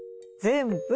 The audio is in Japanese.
全部！